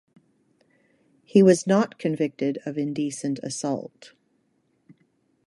He was not convicted of indecent assault.